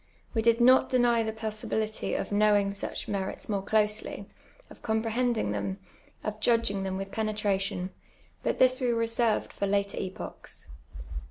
AVe did not deny the possibility of knowin^^ such merits more closely, of comprehending them, of judLrin^ them with penetration, but this we reserved for later epochs.